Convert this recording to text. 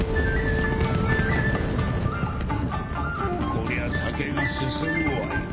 こりゃ酒が進むわい。